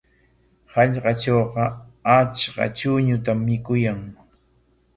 Hallqatrawqa achka chuñutam mikuyan.